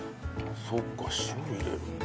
そっか塩入れるんだ。